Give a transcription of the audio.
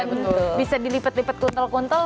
dan bisa dilipet lipet kuntel kuntel